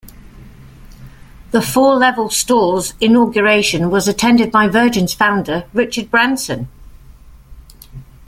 The four level store's inauguration was attended by Virgin's founder Richard Branson.